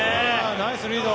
ナイスリード。